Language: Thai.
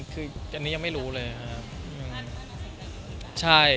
คืออันนี้ยังไม่รู้เลยนะครับ